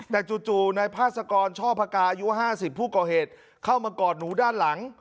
แต่จู่จู่ในพาสกรช่อปากาอายุห้าสิบผู้ก่อเหตุเข้ามากอดหนูด้านหลัง